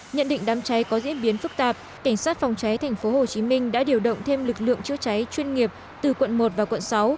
nhận định đám cháy có diễn biến phức tạp cảnh sát phòng cháy tp hcm đã điều động thêm lực lượng chữa cháy chuyên nghiệp từ quận một và quận sáu